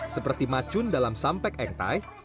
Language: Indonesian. seperti macun dalam sampek engtai